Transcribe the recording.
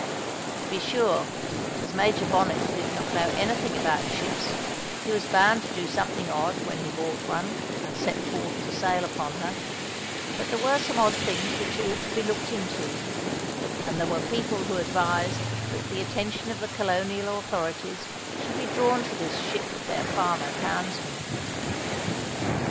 To be sure, as Major Bonnet did not know anything about ships, he was bound to do something odd when he bought one and set forth to sail upon her, but there were some odd things which ought to be looked into; and there were people who advised that the attention of the colonial authorities should be drawn to this ship of their farmer townsman.